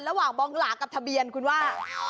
ระหว่างบองหลากับทะเบียนคุณว่า